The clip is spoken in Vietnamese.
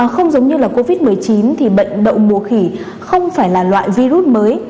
không giống như là covid một mươi chín thì bệnh đậu mùa khỉ không phải là loại virus mới